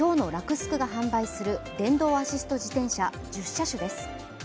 スクが販売する電動アシスト自転車１０種です。